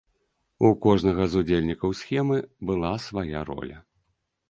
У кожнага з удзельнікаў схемы была свая роля.